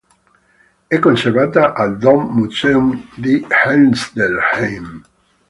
È conservata al Dom-Museum di Hildesheim.